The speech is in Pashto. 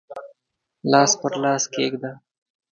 لاس پر لاس کښېږده